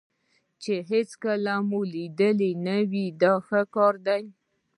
چې هېڅکله مو لیدلی نه وي دا ښه کار دی.